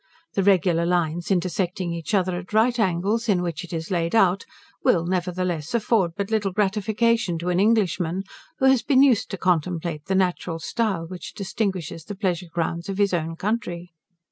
The regular lines intersecting each other at right angles, in which it is laid out, will, nevertheless, afford but little gratification to an Englishman, who has been used to contemplate the natural style which distinguishes the pleasure grounds of his own country.